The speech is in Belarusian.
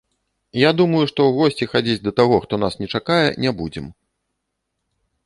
Я думаю, што ў госці хадзіць да таго, хто нас не чакае, не будзем.